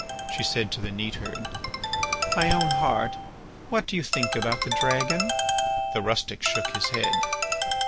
She said to the neatherd: "My own heart, what do you think about the dragon?" The rustic shook his head.